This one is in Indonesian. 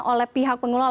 oleh pihak pengelola